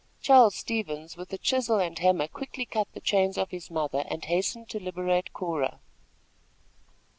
Charles Stevens, with chisel and hammer, quickly cut the chains of his mother and hastened to liberate Cora.